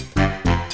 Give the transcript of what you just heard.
saya mau pergi